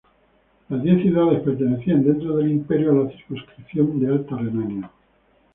Las diez ciudades pertenecían, dentro del Imperio, a la circunscripción de Alta Renania.